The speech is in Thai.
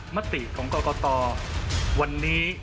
มติของกรกตวันนี้